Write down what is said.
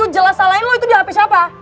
jelas salahin lo itu di hp siapa